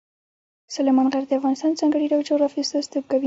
سلیمان غر د افغانستان د ځانګړي ډول جغرافیه استازیتوب کوي.